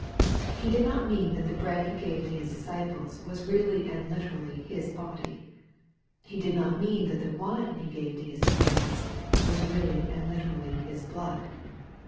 He did not mean that the bread He gave to His disciples was really and literally His body. He did not mean that the wine He gave to His disciples was really and literally His blood.